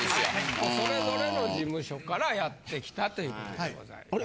それぞれの事務所からやって来たという事でございます。